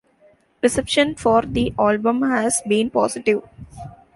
Reception for the album has been positive.